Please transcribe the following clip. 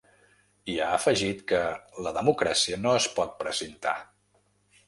I ha afegit que ‘la democràcia no es pot precintar’.